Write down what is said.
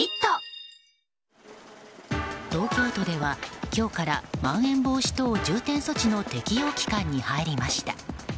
東京都では今日からまん延防止等重点措置の適用期間に入りました。